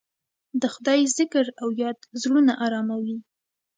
د خدای ذکر او یاد زړونه اراموي.